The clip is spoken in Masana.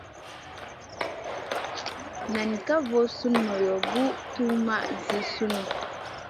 Nan kal voo sùn ŋolo guʼ tuwmaʼ Zi sunu.